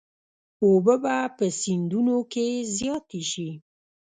اوبه به په سیندونو کې زیاتې شي.